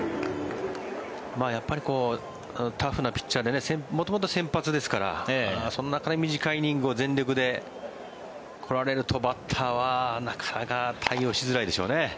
やっぱりタフなピッチャーで元々、先発ですからその中で短いイニングを全力で来られるとバッターはなかなか対応しづらいでしょうね。